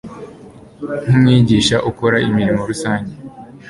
nk'umwigisha ukora imirimo rusange.